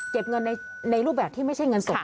เงินในรูปแบบที่ไม่ใช่เงินสด